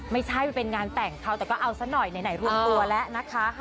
ไม่ใช่มันเป็นงานแต่งเขาแต่ก็เอาซะหน่อยไหนรวมตัวแล้วนะคะ